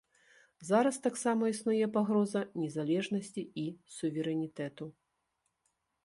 Зараз таксама існуе пагроза незалежнасці і суверэнітэту.